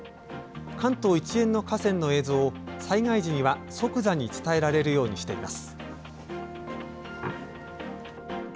関東一円の河川の映像を災害時には即座に伝えられるようにしています。